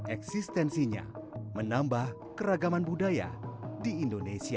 eksistensinya menambah keragaman budaya di indonesia